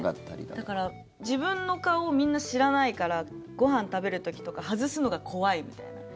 だから、自分の顔をみんな知らないからご飯食べる時とか外すのが怖いみたいな。